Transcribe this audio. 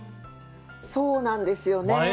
そうなんですよね。